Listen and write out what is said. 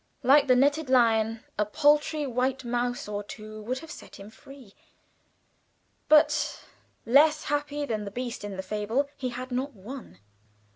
Like the netted lion, a paltry white mouse or two would have set him free; but, less happy than the beast in the fable, he had not one!